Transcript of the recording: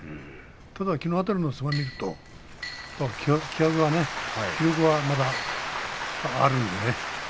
ただ、きのう辺りの相撲を見ると気迫がね、気力はまだあるんでね。